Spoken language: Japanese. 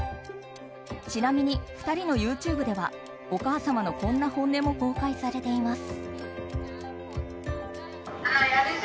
ちなみに２人のＹｏｕＴｕｂｅではお母様のこんな本音も公開されています。